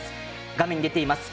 画面に出ています